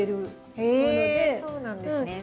へえそうなんですね。